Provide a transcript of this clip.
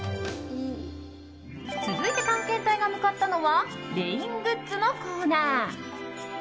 続いて探検隊が向かったのはレイングッズのコーナー。